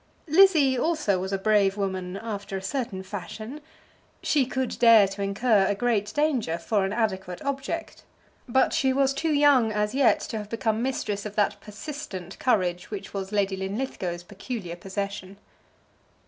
Lizzie also was a brave woman after a certain fashion. She could dare to incur a great danger for an adequate object. But she was too young as yet to have become mistress of that persistent courage which was Lady Linlithgow's peculiar possession.